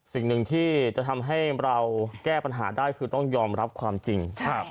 สิ่งหนึ่งที่จะทำให้เราแก้ปัญหาได้คือต้องยอมรับความจริง